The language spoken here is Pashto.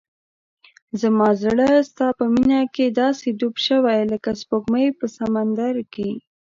زما زړه ستا په مینه کې داسې ډوب شوی لکه سپوږمۍ په سمندر کې.